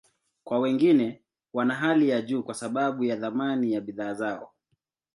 Kwa wengine, wana hali ya juu kwa sababu ya thamani ya bidhaa zao.